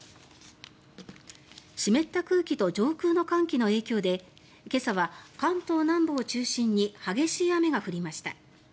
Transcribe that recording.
湿った空気と上空の寒気の影響で今朝は関東南部を中心に激しい雨が降りました。